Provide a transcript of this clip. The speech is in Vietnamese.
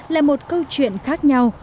là một câu chuyện khác nhau